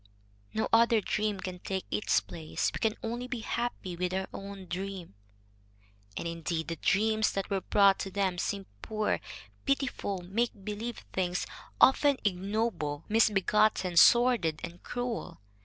No other dream can take its place. We can only be happy with our own dream." And, indeed, the dreams that were brought to them seemed poor, pitiful, make believe things, often ignoble, misbegotten, sordid, and cruel.